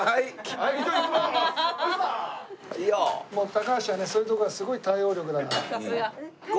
高橋はねそういうところがすごい対応力だから。